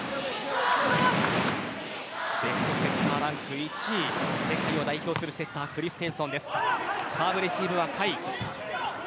ベストセッターランク１位世界を代表するセッタークリステンソンです。